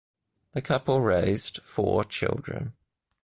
The couple raised four children.